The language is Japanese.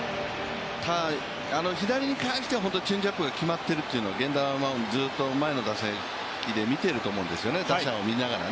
左に関しては本当にチェンジアップが決まっているというのを源田はずっと前の打席で見ていると思うんですよね、打者を見ながら。